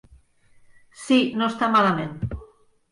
Sí, no està malament.